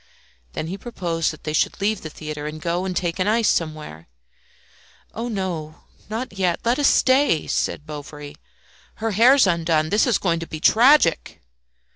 Then he proposed that they should leave the theatre and go and take an ice somewhere. "Oh, not yet; let us stay," said Bovary. "Her hair's undone; this is going to be tragic."